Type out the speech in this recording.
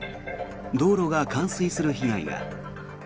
道路が冠水する被害が。